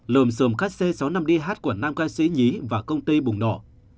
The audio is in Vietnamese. lùm xùm khách c sáu mươi năm dh của nam ca sĩ nhí và công ty bùng nộ